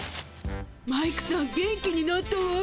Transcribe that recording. マイクさん元気になったわ。